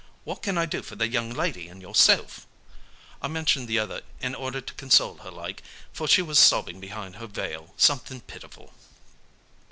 'What can I do for the young lady and yourself?' I mentioned the other in order to console her like, for she was sobbing behind her veil something pitiful.